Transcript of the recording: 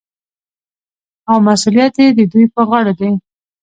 او مسوولیت یې د دوی په غاړه دی.